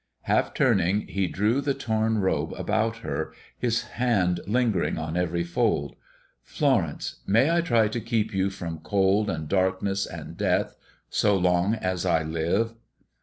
Half turning, he drew the torn robe about her, his hand lingering on every fold. "Florence, may I try to keep you from cold and darkness and death so long as I live?"